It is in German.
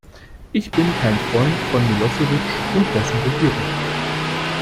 Ich bin kein Freund von Milosevic und dessen Regierung.